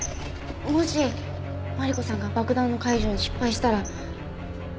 もしマリコさんが爆弾の解除に失敗したら。